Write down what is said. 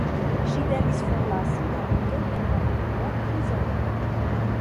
Ŝi devis forlasi la ludon en la unua epizodo.